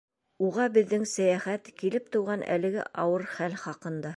Уға беҙҙең сәйәхәт, килеп тыуған әлеге ауыр хәл хаҡында